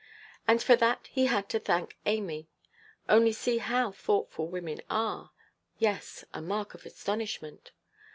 And for that, he had to thank Amy. Only see how thoughtful women are!—yes, a mark of astonishment.